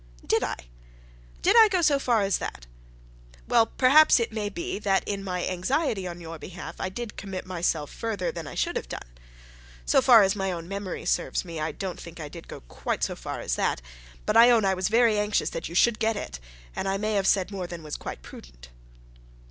'Did I? Did I go so far as that? Well, perhaps it may be, that in my anxiety on your behalf I did commit myself further than I should have done. So far as my own memory serves me, I don't think I did go quite so far as that. But I own I was very anxious that you should get it; and I may have said more than was quite prudent.'